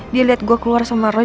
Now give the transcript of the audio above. dia lihat gue keluar sama roy